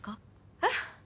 えっ？